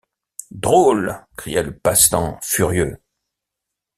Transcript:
Drôle! cria le passant furieux.